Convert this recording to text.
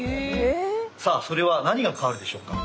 さあそれは何が変わるでしょうか？